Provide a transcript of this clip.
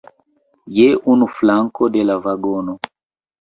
Je unu flanko de la vagono.